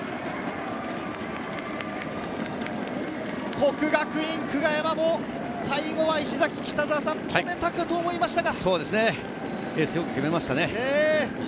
國學院久我山も、最後は石崎、止めたかと思いましたが。